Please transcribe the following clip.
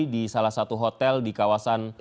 di salah satu hotel di kawasan